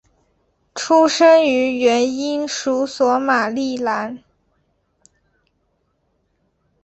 出生于原英属索马利兰。